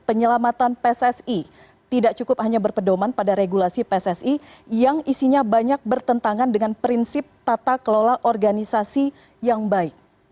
penyelamatan pssi tidak cukup hanya berpedoman pada regulasi pssi yang isinya banyak bertentangan dengan prinsip tata kelola organisasi yang baik